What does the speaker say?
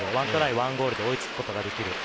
１ゴールで追いつくことができる。